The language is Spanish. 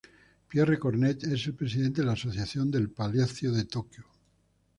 Pierre Cornette es el presidente de la Asociación del Palais de Tokyo.